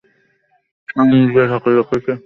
আমি নিজে তাকে দেখেছি।